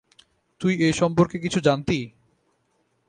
তুই এই সম্পর্কে কিছু জানতি?